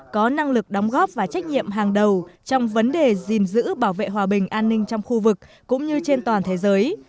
có năng lực đóng góp và trách nhiệm hàng đầu trong vấn đề gìn giữ bảo vệ hòa bình an ninh trong khu vực cũng như trên toàn thế giới